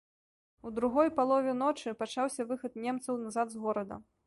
У другой палове ночы пачаўся выхад немцаў назад з горада.